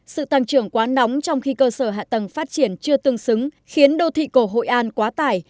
sự tăng trưởng quá nóng trong khi cơ sở hạ tầng phát triển chưa tương xứng khiến đô thị cổ hội an quá tải